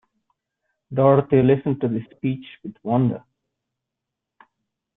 Dorothy listened to this speech with wonder.